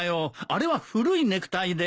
あれは古いネクタイで。